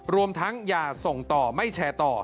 รวมทั้งอย่าส่งต่อไม่แชร์ต่อ